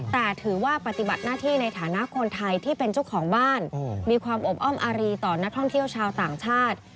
แต่ถือว่าปฏิบัติหน้าที่ในฐานะคนไทยที่เป็นเจ้าของบ้านมีความอบอ้อมอารีต่อนักท่องเที่ยวชาวต่างชาติ